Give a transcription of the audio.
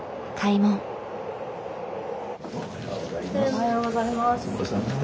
おはようございます。